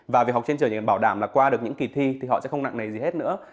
và việc học trên trường thì bảo đảm là qua được những kỳ thi thì họ sẽ không nặng nề gì hết nữa